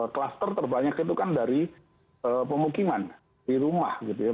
kluster terbanyak itu kan dari pemukiman di rumah gitu ya